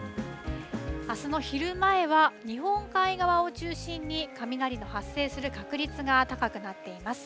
あすの昼前は、日本海側を中心に雷が発生する確率が高くなっています。